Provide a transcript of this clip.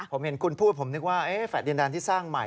ผมเห็นคุณพูดผมนึกว่าแฟลตดินแดนที่สร้างใหม่